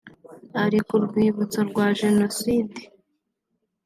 Ari ku rwibutso rwa Jenoside